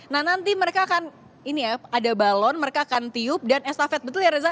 nah nanti mereka akan ini ya ada balon mereka akan tiup dan estafet betul ya reza